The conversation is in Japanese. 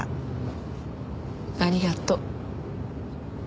ありがとう。